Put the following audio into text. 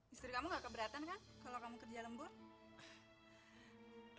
istri kamu gak keberatan kan kalau kamu kerja lembut